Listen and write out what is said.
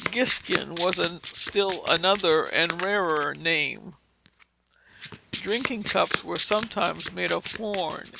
Giskin was still another and rarer name. Drinking cups were sometimes made of horn.